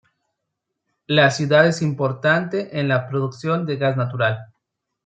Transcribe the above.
La ciudad es importante en la producción de gas natural.